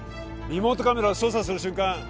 リモートカメラを操作する瞬間